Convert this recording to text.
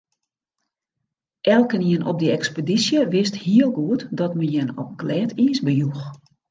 Elkenien op dy ekspedysje wist hiel goed dat men jin op glêd iis bejoech.